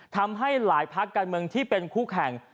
ทำให้หลายภาคการเมืองที่เป็นคู่แข่ง